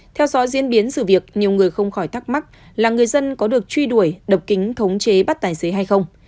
theo dõi diễn biến sự việc nhiều người không khỏi thắc mắc là người dân có được truy đuổi đập kính thống chế bắt tài xế hay không